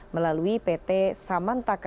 melalui pt samantaka